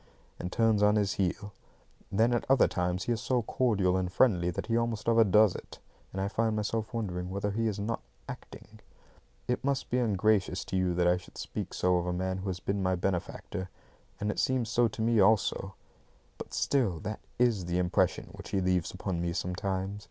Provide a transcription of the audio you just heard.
and turns on his heel. Then at other times he is so cordial and friendly that he almost overdoes it, and I find myself wondering whether he is not acting. It must seem ungracious to you that I should speak so of a man who has been my benefactor; and it seems so to me also, but still that IS the impression which he leaves upon me sometimes.